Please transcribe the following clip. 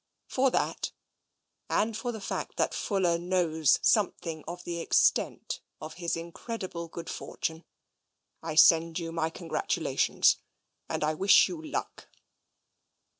For that, and for the fact that Fxdler knows something of the extent of his incredible good fortune, I send you my congratulations and I wish you luck.